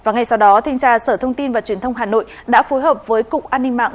ngay sau đó thanh tra sở thông tin và truyền thông hà nội đã phối hợp với cục an ninh mạng